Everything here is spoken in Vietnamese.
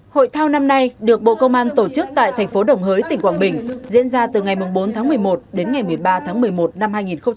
hội thao năm nay được bộ công an tổ chức tại thành phố đồng hới tỉnh quảng bình diễn ra từ ngày bốn tháng một mươi một đến ngày một mươi ba tháng một mươi một năm hai nghìn hai mươi ba